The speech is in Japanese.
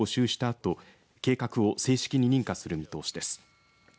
あと計画を正式に認可する見通しです。